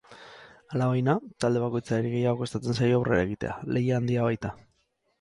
Alabaina, talde bakoitzari gehiago kostatzen zaio aurrera egitea, lehia handia baita.